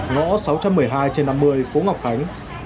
ngõ sáu trăm một mươi hai trên năm mươi phố ngọc khánh